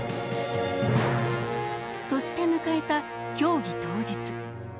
そして迎えた協議当日。